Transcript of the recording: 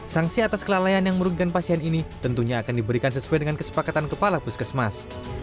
sanksi atas kelalaian yang merugikan pasien ini tentunya akan diberikan sesuai dengan kesepakatan kepala puskesmas